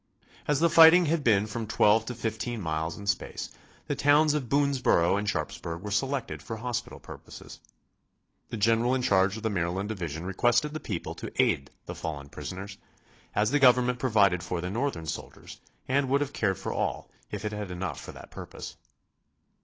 As the fighting had been from twelve to fifteen miles in space, the towns of Boonsboro and Sharpsburg were selected for hospital purposes. The general in charge of the Maryland division requested the people to aid the fallen prisoners, as the Government provided for the Northern soldiers and would have cared for all if it had enough for that purpose.